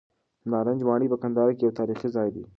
د نارنج ماڼۍ په کندهار کې یو تاریخي ځای دی.